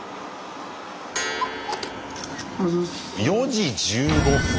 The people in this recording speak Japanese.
４時１５分。